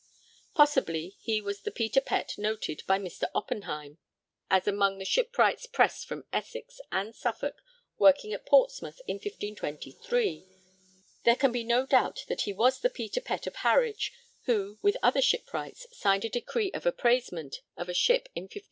Possibly he was the Peter Pett noted by Mr. Oppenheim as among the shipwrights pressed from Essex and Suffolk working at Portsmouth in 1523: there can be no doubt that he was the Peter Pett of Harwich who, with other shipwrights, signed a decree of appraisement of a ship in 1540.